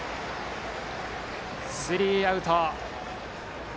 スリーアウト。